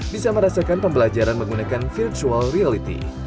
bisa merasakan pembelajaran menggunakan virtual reality